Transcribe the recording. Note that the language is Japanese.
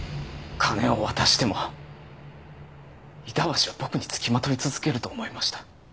金を渡しても板橋は僕につきまとい続けると思いました。